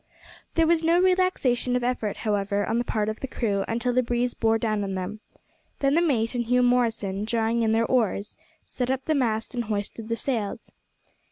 There was no relaxation of effort, however, on the part of the crew until the breeze bore down on them. Then the mate and Hugh Morrison, drawing in their oars, set up the mast and hoisted the sails.